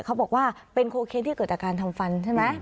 เขาบอกว่าเป็นโคเคนที่เกิดอาการทำฟันใช่ไหม